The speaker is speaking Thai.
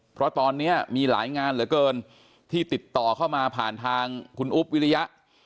เพราะตอนนี้มีหลายงานเหลือเกินที่ติดต่อเข้ามาผ่านทางคุณอุ๊บวิริยะ